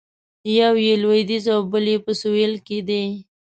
یو یې لویدیځ او بل یې په سویل کې دی.